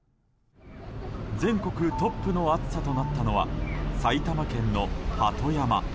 全国トップの暑さとなったのは埼玉県の鳩山。